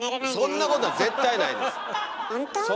そんなことは絶対ないです。